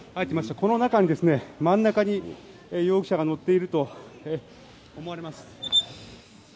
この真ん中に容疑者が乗っていると思われます。